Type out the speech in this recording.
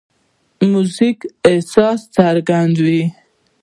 موزیک احساس څرګندوي.